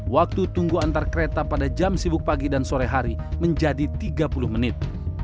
waktu tunggu antar kereta pada jam sibuk pagi dan sore hari menjadi tiga puluh menit